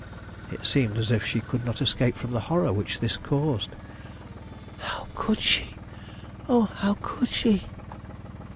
It seemed as if she could not escape from the horror which this caused. "How could she? Oh, how could she!"